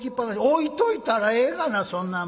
「置いといたらええがなそんなもん。